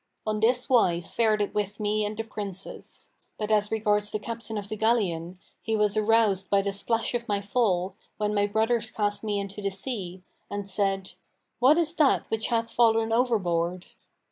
On this wise fared it with me and the Princess; but as regards the Captain of the galleon, he was aroused by the splash of my fall, when my brothers cast me into the sea, and said, 'What is that which hath fallen overboard?'